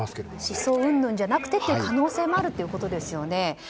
思想云々じゃなくてという可能性もあるということですよね。